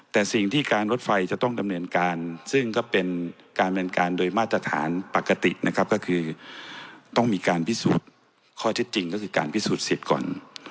แต่สิ่งที่การรถไฟจะต้องดำเนินการซึ่งก็เป็นการดำเนินการโดยมาตรฐานปกตินะครับก็คือต้องมีการพิสูจน์ข้อเท็จจริงก็คือการพิสูจน์สิทธิ์ก่อน